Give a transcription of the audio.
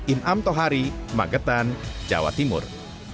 inam tohari magetan jawa timur